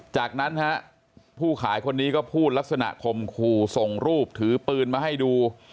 จากนั้นฮะผู้ขายคนนี้ก็พูดลักษณะข่มขู่ส่งรูปถือปืนมาให้ดู